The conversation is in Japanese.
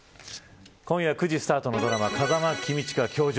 今夜９時スタートのドラマ風間公親‐教場